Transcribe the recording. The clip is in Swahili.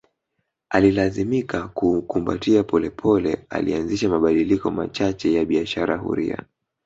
Alilazimika kuukumbatia pole pole alianzisha mabadiliko machache ya biashara huria